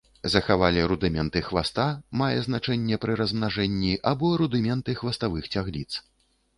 Захавалі рудыменты хваста, мае значэнне пры размнажэнні, або рудыменты хваставых цягліц.